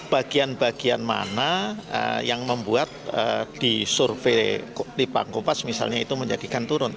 bagian bagian mana yang membuat di survei lipangkupas misalnya itu menjadikan turun